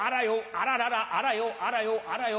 あらららあらよあらよあらよ。